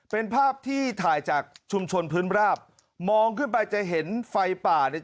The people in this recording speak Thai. เป็นภาพที่ถ่ายจากชุมชนพื้นราบมองขึ้นไปจะเห็นไฟป่าเนี่ย